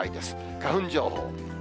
花粉情報。